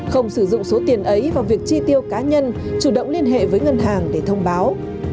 không sử dụng số tiền ấy vào việc chi tiêu cá nhân chủ động liên hệ với ngân hàng để thông báo